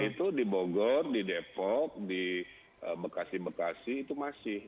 itu di bogor di depok di bekasi bekasi itu masih